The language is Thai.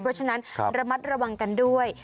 เพราะฉะนั้นระมัดระวังกันด้วย